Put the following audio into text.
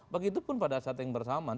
begitupun pada saat yang bersamaan